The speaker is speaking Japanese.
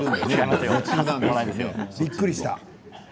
びっくりした。